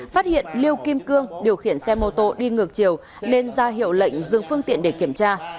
phát hiện liêu kim cương điều khiển xe mô tô đi ngược chiều nên ra hiệu lệnh dừng phương tiện để kiểm tra